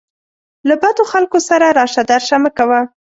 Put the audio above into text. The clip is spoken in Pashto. له بدو خلکو سره راشه درشه مه کوه